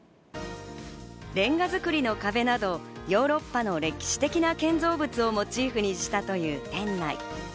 レンガ造りの壁などヨーロッパの歴史的な建造物をモチーフにしたという店内。